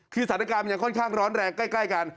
คือสถานการณ์มันยังค่อนข้างร้อนแรงใกล้กัน